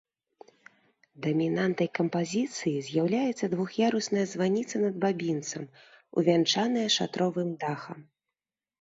Дамінантай кампазіцыі з'яўляецца двух'ярусная званіца над бабінцам, увянчаная шатровым дахам.